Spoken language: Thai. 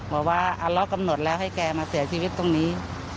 แบบว่าฮัลล๊อคกำหนดแล้วให้แค่มาเสียชีวิตตรงนี้